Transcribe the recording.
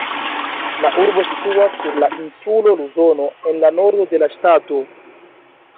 La urbo situas sur la insulo Luzono, en la nordo de la ŝtato.